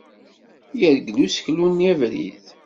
Yergel useklu-nni abrid.